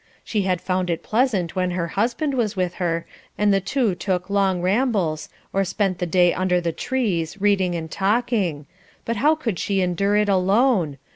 She had found it pleasant when her husband was with her and the two took long rambles, or spent the day under the trees, reading and talking, but how could she endure it alone?